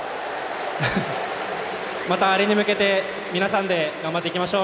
また「Ａ．Ｒ．Ｅ．」に向けて皆さんで頑張っていきましょう！